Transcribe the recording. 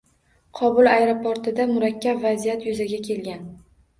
Kobul aeroportida murakkab vaziyat yuzaga kelgan